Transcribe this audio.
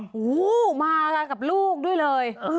โอ้โหมากับลูกด้วยเลย